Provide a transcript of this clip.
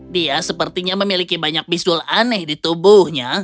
dia sepertinya memiliki banyak bisul aneh di tubuhnya